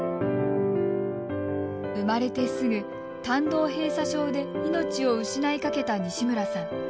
生まれてすぐ、胆道閉鎖症で命を失いかけた西村さん。